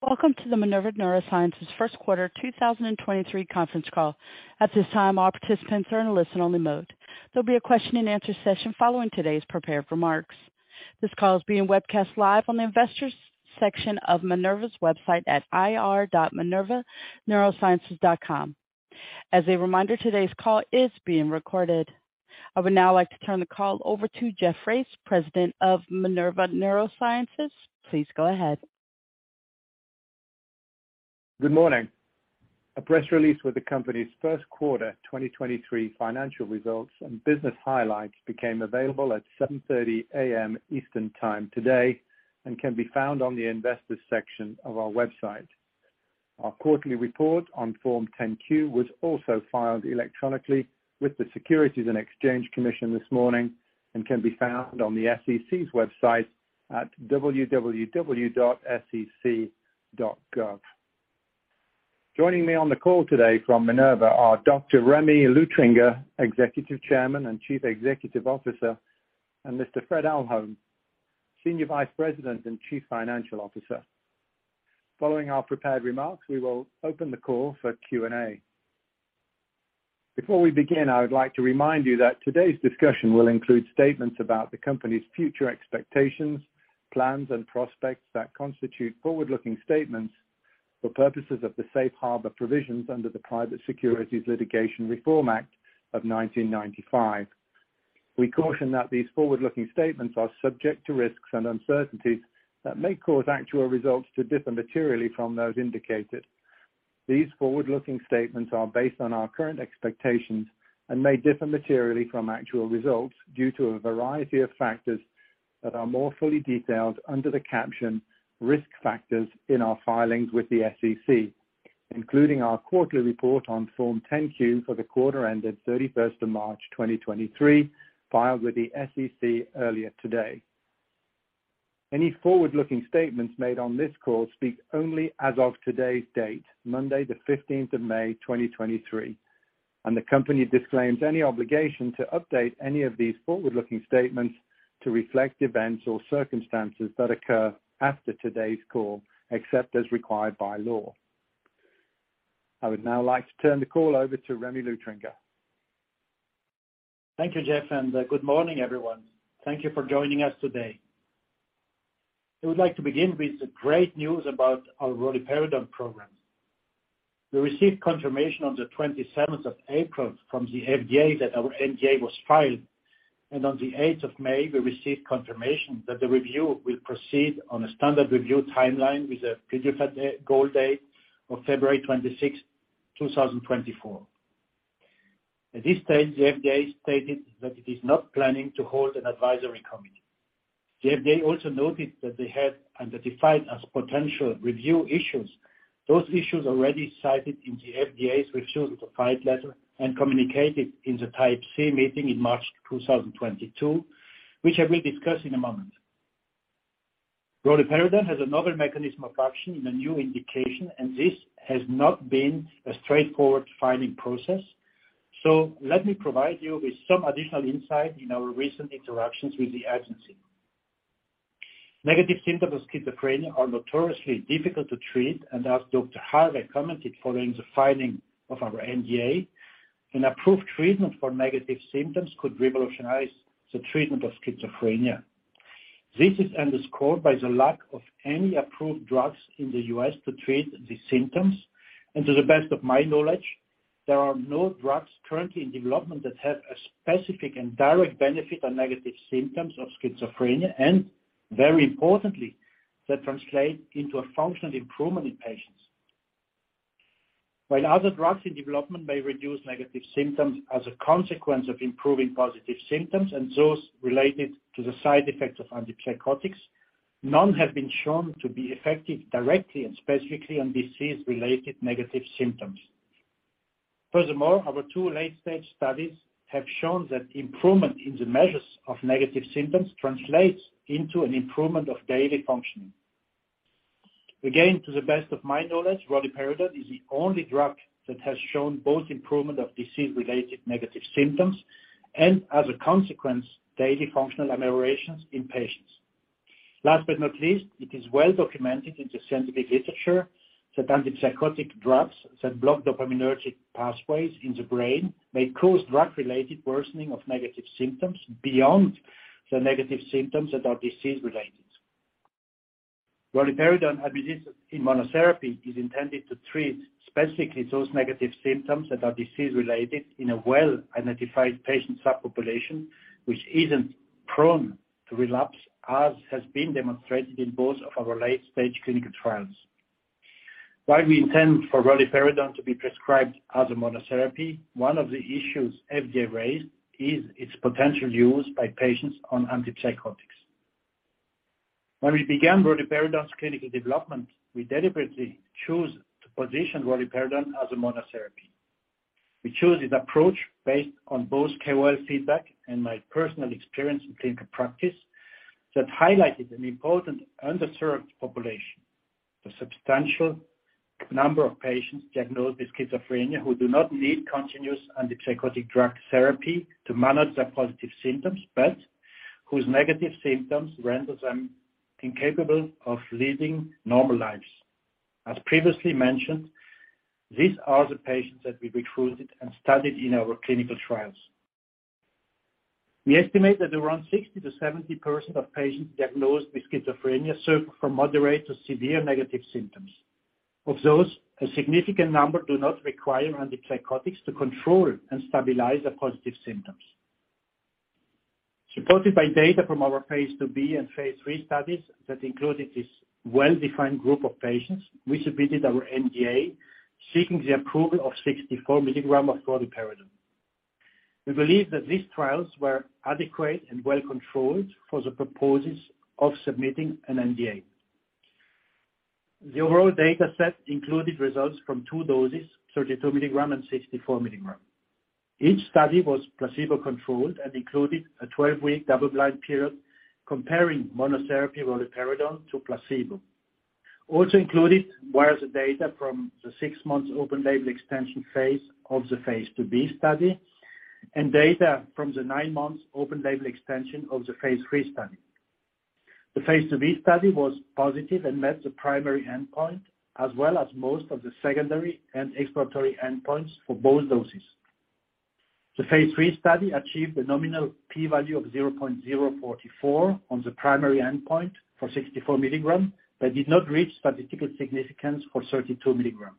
Welcome to the Minerva Neurosciences first quarter 2023 conference call. At this time, all participants are in a listen-only mode. There'll be a question and answer session following today's prepared remarks. This call is being webcast live on the Investors section of Minerva's website at ir.minervaneurosciences.com. As a reminder, today's call is being recorded. I would now like to turn the call over to Geoff Race, President of Minerva Neurosciences. Please go ahead. Good morning. A press release with the company's first quarter 2023 financial results and business highlights became available at 7:30 A.M. Eastern Time today and can be found on the Investors section of our website. Our quarterly report on Form 10-Q was also filed electronically with the Securities and Exchange Commission this morning and can be found on the SEC's website at www.sec.gov. Joining me on the call today from Minerva are Dr. Rémy Luthringer, Executive Chairman and Chief Executive Officer, and Mr. Frederick Ahlholm, Senior Vice President and Chief Financial Officer. Following our prepared remarks, we will open the call for Q&A. Before we begin, I would like to remind you that today's discussion will include statements about the company's future expectations, plans and prospects that constitute forward-looking statements for purposes of the safe harbor provisions under the Private Securities Litigation Reform Act of 1995. We caution that these forward-looking statements are subject to risks and uncertainties that may cause actual results to differ materially from those indicated. These forward-looking statements are based on our current expectations and may differ materially from actual results due to a variety of factors that are more fully detailed under the caption Risk Factors in our filings with the SEC, including our quarterly report on Form 10-Q for the quarter ended 31st of March 2023, filed with the SEC earlier today. Any forward-looking statements made on this call speak only as of today's date, Monday the 15th of May 2023, and the company disclaims any obligation to update any of these forward-looking statements to reflect events or circumstances that occur after today's call, except as required by law. I would now like to turn the call over to Rémy Luthringer. Thank you, Geoff, good morning, everyone. Thank Thank you for joining us today. I would like to begin with the great news about our roluperidone program. We received confirmation on the 27th of April from the FDA that our NDA was filed. On the 8th of May, we received confirmation that the review will proceed on a standard review timeline with a PDUFA goal date of February 26th, 2024. At this stage, the FDA stated that it is not planning to hold an Advisory Committee. The FDA also noted that they had, under Defined as Potential Review Issues, those issues already cited in the FDA's Refusal to File letter and communicated in the Type C meeting in March 2022, which I will discuss in a moment. roluperidone has a novel mechanism of action and a new indication, this has not been a straightforward filing process. Let me provide you with some additional insight in our recent interactions with the agency. Negative symptoms of schizophrenia are notoriously difficult to treat, as Dr. Harvey commented following the filing of our NDA, an approved treatment for negative symptoms could revolutionize the treatment of schizophrenia. This is underscored by the lack of any approved drugs in the U.S. to treat these symptoms. To the best of my knowledge, there are no drugs currently in development that have a specific and direct benefit on negative symptoms of schizophrenia, and very importantly, that translate into a functional improvement in patients. While other drugs in development may reduce negative symptoms as a consequence of improving positive symptoms and those related to the side effects of antipsychotics, none have been shown to be effective directly and specifically on disease-related negative symptoms. Our two late-stage studies have shown that improvement in the measures of negative symptoms translates into an improvement of daily functioning. To the best of my knowledge, roluperidone is the only drug that has shown both improvement of disease-related negative symptoms and, as a consequence, daily functional ameliorations in patients. Last but not least, it is well documented in the scientific literature that antipsychotic drugs that block dopaminergic pathways in the brain may cause drug-related worsening of negative symptoms beyond the negative symptoms that are disease related. roluperidone administered in monotherapy is intended to treat specifically those negative symptoms that are disease related in a well-identified patient subpopulation which isn't prone to relapse, as has been demonstrated in both of our late-stage clinical trials. We intend for roluperidone to be prescribed as a monotherapy, one of the issues FDA raised is its potential use by patients on antipsychotics. We began roluperidone's clinical development, we deliberately chose to position roluperidone as a monotherapy. We chose this approach based on both KOL feedback and my personal experience in clinical practice that highlighted an important underserved population, the substantial number of patients diagnosed with schizophrenia who do not need continuous antipsychotic drug therapy to manage their positive symptoms, but whose negative symptoms render them incapable of leading normal lives. Previously mentioned, these are the patients that we recruited and studied in our clinical trials. We estimate that around 60%-70% of patients diagnosed with schizophrenia suffer from moderate to severe negative symptoms. Of those, a significant number do not require antipsychotics to control and stabilize the positive symptoms. Supported by data from our Phase 2b and Phase 3 studies that included this well-defined group of patients, we submitted our NDA seeking the approval of 64 milligrams of roluperidone. We believe that these trials were adequate and well-controlled for the purposes of submitting an NDA. The overall data set included results from two doses, 32 milligrams and 64 milligrams. Each study was placebo-controlled and included a 12-week double-blind period comparing monotherapy roluperidone to placebo. Also included were the data from the 6-month open label extension phase of the Phase 2b study and data from the 9 months open label extension of the Phase 3 study. The phase 2b study was positive and met the primary endpoint as well as most of the secondary and exploratory endpoints for both doses. The phase 3 study achieved a nominal P value of 0.044 on the primary endpoint for 64 milligrams, but did not reach statistical significance for 32 milligrams.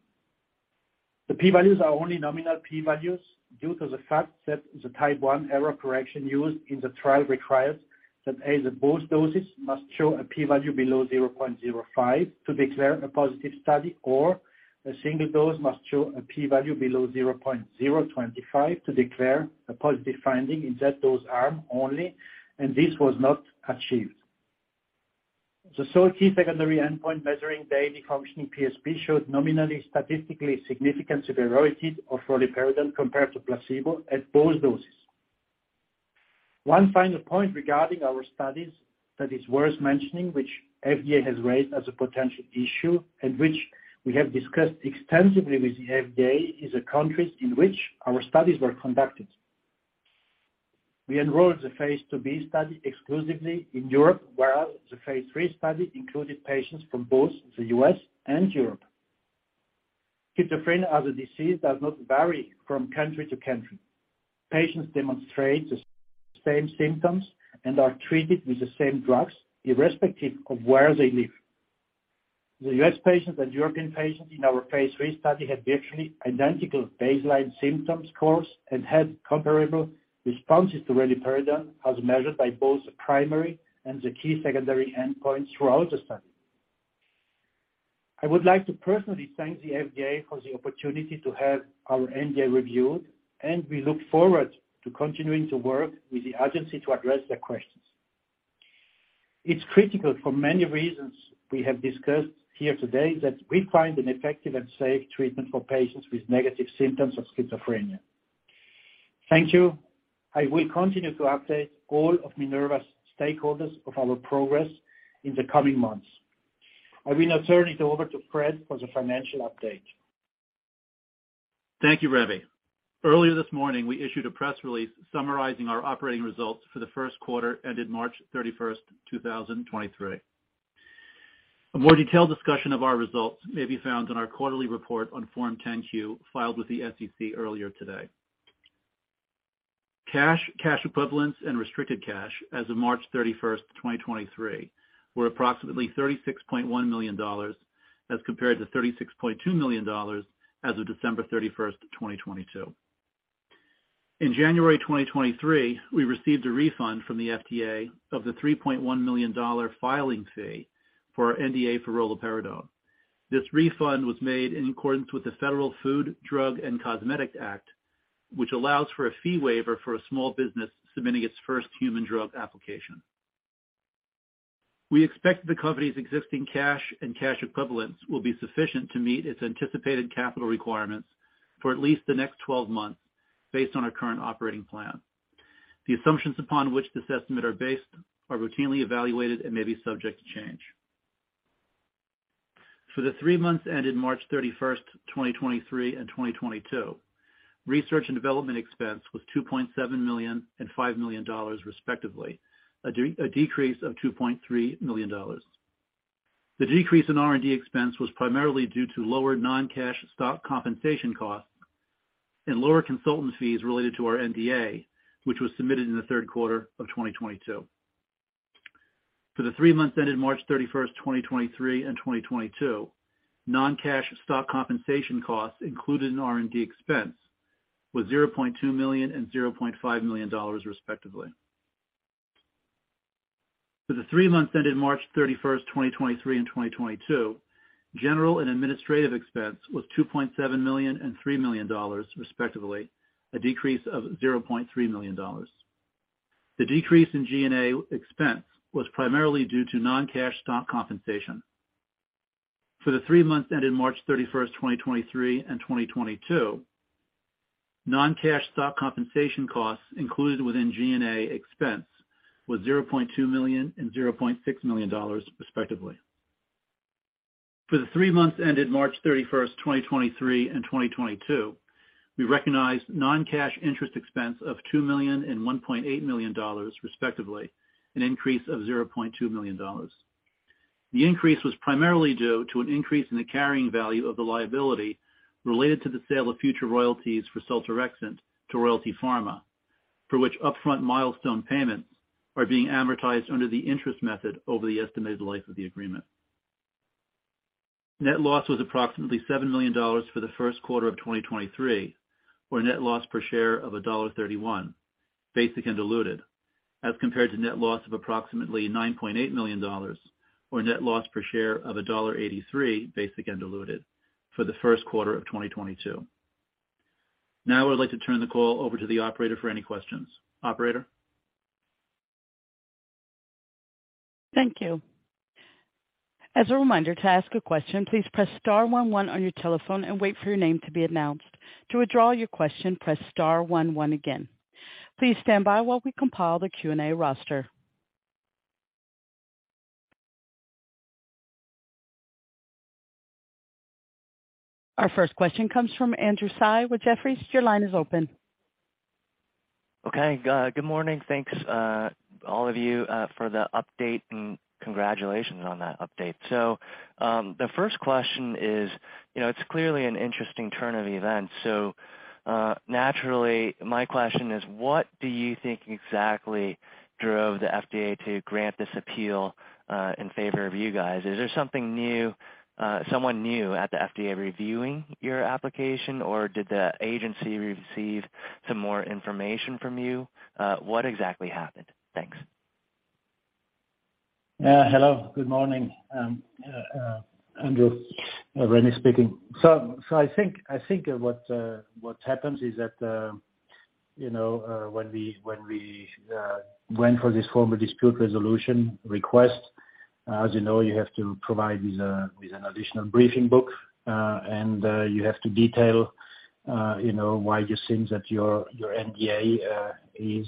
The P values are only nominal P values due to the fact that the Type I error correction used in the trial requires that either both doses must show a P value below 0.05 to declare a positive study, or a single dose must show a P value below 0.025 to declare a positive finding in that dose arm only, and this was not achieved. The sole key secondary endpoint measuring daily functioning PSP showed nominally statistically significant superiority of roluperidone compared to placebo at both doses. One final point regarding our studies that is worth mentioning, which FDA has raised as a potential issue and which we have discussed extensively with the FDA, is the countries in which our studies were conducted. We enrolled the phase 2b study exclusively in Europe, whereas the phase 3 study included patients from both the US and Europe. Schizophrenia as a disease does not vary from country to country. Patients demonstrate the same symptoms and are treated with the same drugs irrespective of where they live. The US patients and European patients in our phase 3 study had virtually identical baseline symptom scores and had comparable responses to roluperidone as measured by both the primary and the key secondary endpoints throughout the study. I would like to personally thank the FDA for the opportunity to have our NDA reviewed, and we look forward to continuing to work with the agency to address their questions. It's critical for many reasons we have discussed here today that we find an effective and safe treatment for patients with negative symptoms of schizophrenia. Thank you. I will continue to update all of Minerva's stakeholders of our progress in the coming months. I will now turn it over to Fred for the financial update. Thank you, Remy. Earlier this morning, we issued a press release summarizing our operating results for the first quarter ended March 31st, 2023. A more detailed discussion of our results may be found in our quarterly report on Form 10-Q filed with the SEC earlier today. Cash, cash equivalents and restricted cash as of March 31st, 2023 were approximately $36.1 million as compared to $36.2 million as of December 31st, 2022. In January 2023, we received a refund from the FDA of the $3.1 million filing fee for our NDA for roluperidone. This refund was made in accordance with the Federal Food, Drug, and Cosmetic Act, which allows for a fee waiver for a small business submitting its first human drug application. We expect the company's existing cash and cash equivalents will be sufficient to meet its anticipated capital requirements for at least the next 12 months based on our current operating plan. The assumptions upon which this estimate are based are routinely evaluated and may be subject to change. For the three months ended March 31st, 2023 and 2022, research and development expense was $2.7 million and $5 million, respectively, a decrease of $2.3 million. The decrease in R&D expense was primarily due to lower non-cash stock compensation costs and lower consultant fees related to our NDA, which was submitted in the third quarter of 2022. For the three months ended March 31st, 2023 and 2022, non-cash stock compensation costs included in R&D expense was $0.2 million and $0.5 million, respectively. For the three months ended March 31st, 2023 and 2022, general and administrative expense was $2.7 million and $3 million, respectively, a decrease of $0.3 million. The decrease in G&A expense was primarily due to non-cash stock compensation. For the three months ended March 31st, 2023 and 2022. Non-cash stock compensation costs included within G&A expense was $0.2 million and $0.6 million, respectively. For the three months ended March 31st, 2023 and 2022, we recognized non-cash interest expense of $2 million and $1.8 million, respectively, an increase of $0.2 million. The increase was primarily due to an increase in the carrying value of the liability related to the sale of future royalties for seltorexant to Royalty Pharma, for which upfront milestone payments are being amortized under the interest method over the estimated life of the agreement. Net loss was approximately $7 million for the first quarter of 2023, or net loss per share of $1.31, basic and diluted, as compared to net loss of approximately $9.8 million or net loss per share of $1.83, basic and diluted for the first quarter of 2022. I would like to turn the call over to the operator for any questions. Operator? Thank you. As a reminder, to ask a question, please press star one one on your telephone and wait for your name to be announced. To withdraw your question, press star one one again. Please stand by while we compile the Q&A roster. Our first question comes from Andrew Tsai with Jefferies. Your line is open. Okay. Good morning. Thanks, all of you, for the update and congratulations on that update. The first question is, you know, it's clearly an interesting turn of events. Naturally, my question is what do you think exactly drove the FDA to grant this appeal in favor of you guys? Is there something new, someone new at the FDA reviewing your application, or did the agency receive some more information from you? What exactly happened? Thanks. Hello. Good morning. Andrew, Remy speaking. I think what happens is that, you know, when we went for this Formal Dispute Resolution request, as you know, you have to provide with an additional briefing book, and you have to detail, you know, why you think that your NDA is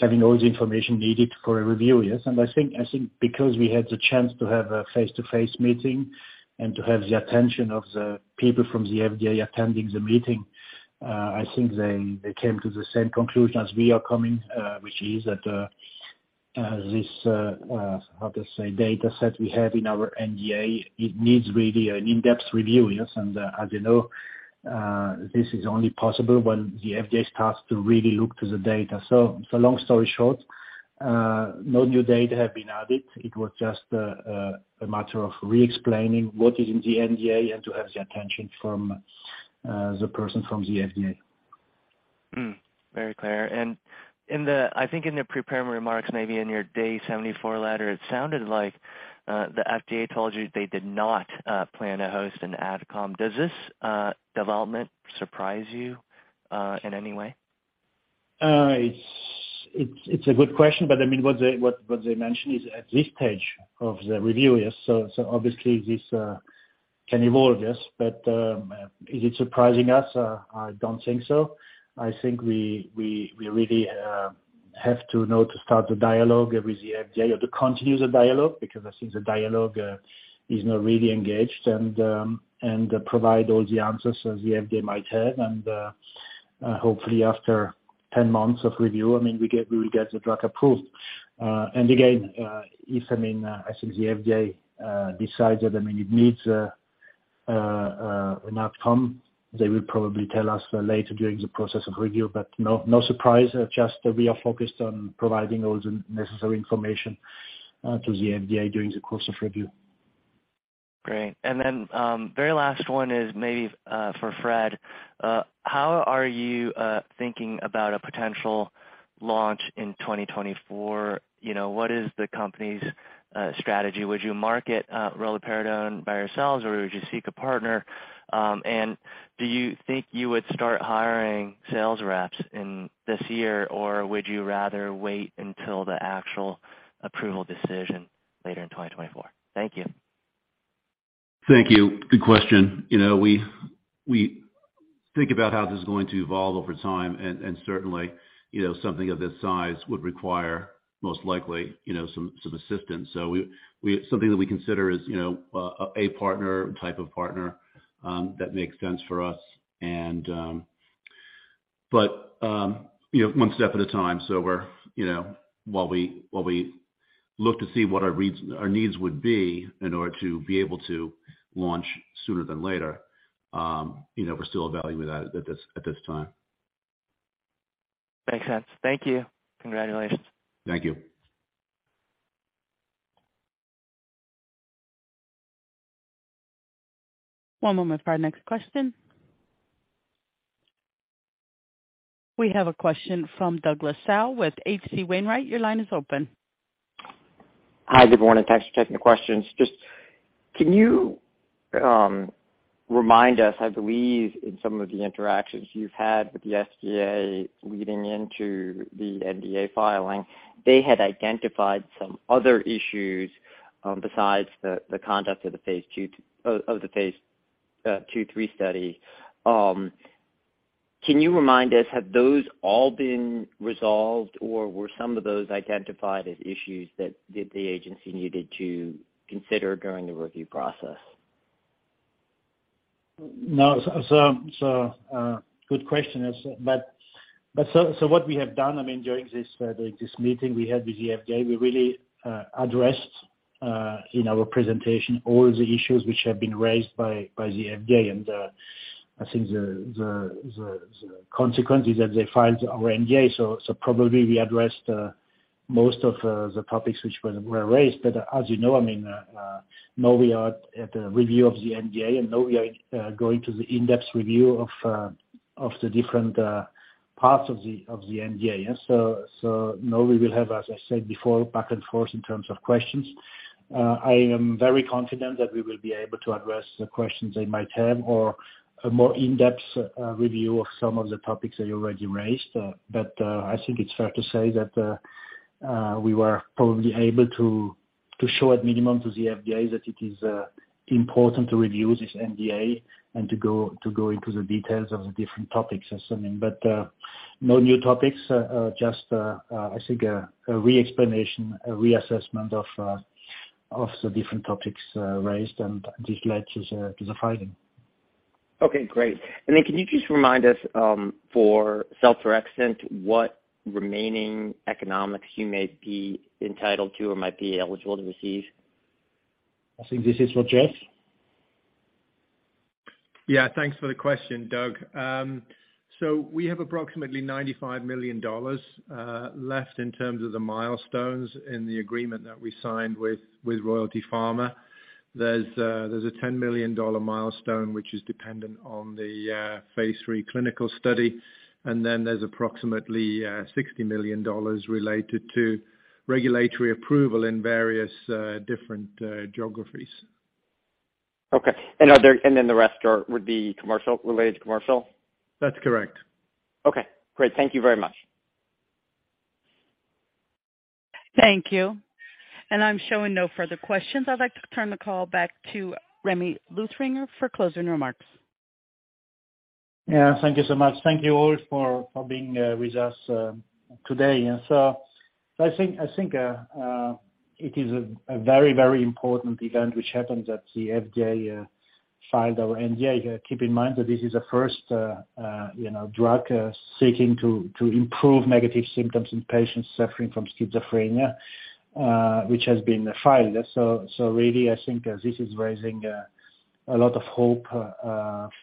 having all the information needed for a review. Yes. I think because we had the chance to have a face-to-face meeting and to have the attention of the people from the FDA attending the meeting, I think they came to the same conclusion as we are coming, which is that this how to say, data set we have in our NDA, it needs really an in-depth review. Yes. As you know, this is only possible when the FDA starts to really look to the data. Long story short, no new data have been added. It was just a matter of re-explaining what is in the NDA and to have the attention from the person from the FDA. Mm. Very clear. I think in the prepared remarks, maybe in your Day 74 letter, it sounded like the FDA told you they did not plan to host an AdCom. Does this development surprise you in any way? I mean, what they mentioned is at this stage of the review. Yes. Obviously this can evolve. Yes. Is it surprising us? I don't think so. I think we really have to know to start the dialogue with the FDA or to continue the dialogue, because I think the dialogue is not really engaged and provide all the answers that the FDA might have. Hopefully after 10 months of review, I mean, we will get the drug approved. Again, if, I mean, I think the FDA decides that, I mean, it needs an AdCom, they will probably tell us later during the process of review. No surprise. Just we are focused on providing all the necessary information to the FDA during the course of review. Great. Very last one is maybe for Fred. How are you thinking about a potential launch in 2024? You know, what is the company's strategy? Would you market roluperidone by yourselves, or would you seek a partner? Do you think you would start hiring sales reps in this year, or would you rather wait until the actual approval decision later in 2024? Thank you. Thank you. Good question. You know, we think about how this is going to evolve over time. Certainly, you know, something of this size would require most likely, you know, some assistance. Something that we consider is, you know, a partner, type of partner, that makes sense for us. But, you know, one step at a time. We're, you know, while we, while we look to see what our needs would be in order to be able to launch sooner than later, you know, we're still evaluating that at this, at this time. Makes sense. Thank you. Congratulations. Thank you. One moment for our next question. We have a question from Douglas Tsao with H.C. Wainwright. Your line is open. Hi, good morning. Thanks for taking the questions. Just can you remind us, I believe in some of the interactions you've had with the FDA leading into the NDA filing, they had identified some other issues besides the conduct of the phase 2-3 study. Can you remind us, have those all been resolved or were some of those identified as issues that the agency needed to consider during the review process? No. Good question. So, what we have done, I mean, during this meeting we had with the FDA, we really addressed in our presentation all the issues which have been raised by the FDA. I think the consequences that they filed our NDA, so probably we addressed most of the topics which were raised. As you know, I mean, now we are at the review of the NDA and now we are going to the in-depth review of the different parts of the NDA. Now we will have, as I said before, back and forth in terms of questions. I am very confident that we will be able to address the questions they might have or a more in-depth review of some of the topics that you already raised. I think it's fair to say that we were probably able to show at minimum to the FDA that it is important to review this NDA and to go into the details of the different topics or something. No new topics. Just, I think a re-explanation, a reassessment of the different topics raised and this led to the filing. Okay, great. Can you just remind us, for seltorexant, what remaining economics you may be entitled to or might be eligible to receive? I think this is for Jeff. Thanks for the question, Doug. We have approximately $95 million left in terms of the milestones in the agreement that we signed with Royalty Pharma. There's a $10 million milestone which is dependent on the phase 3 clinical study. There's approximately $60 million related to regulatory approval in various different geographies. Okay. Then the rest are, would be commercial, related to commercial? That's correct. Okay, great. Thank you very much. Thank you. I'm showing no further questions. I'd like to turn the call back to Rémy Luthringer for closing remarks. Yeah. Thank you so much. Thank you all for being with us today. I think, it is a very, very important event which happened that the FDA filed our NDA. Keep in mind that this is the first, you know, drug seeking to improve negative symptoms in patients suffering from schizophrenia, which has been filed. Really, I think this is raising a lot of hope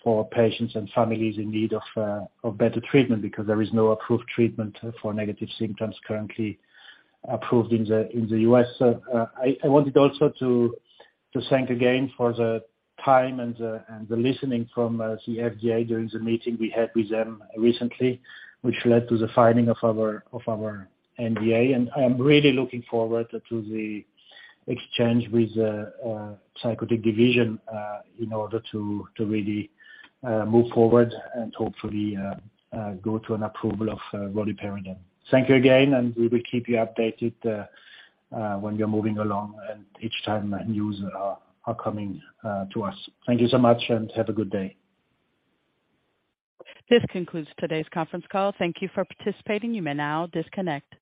for patients and families in need of better treatment because there is no approved treatment for negative symptoms currently approved in the U.S. I wanted also to thank again for the time and the listening from the FDA during the meeting we had with them recently, which led to the filing of our NDA. I am really looking forward to the exchange with the Division of Psychiatry in order to really move forward and hopefully go to an approval of roluperidone. Thank you again. We will keep you updated when we are moving along and each time news are coming to us. Thank you so much and have a good day. This concludes today's conference call. Thank you for participating. You may now disconnect.